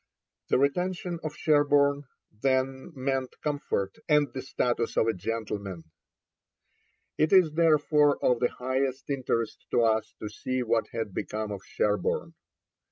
The retention of Sherborne, then, meant comfort and the status of a gentleman. It is therefore of the highest interest to us to see what had become of Sherborne.